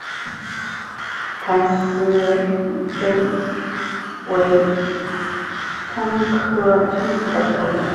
坛丝韭为葱科葱属的植物。